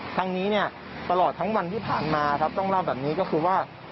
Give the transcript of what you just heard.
ทั้งนี้เนี่ยตลอดทั้งวันที่ผ่านมาครับต้องเล่าแบบนี้ก็คือว่า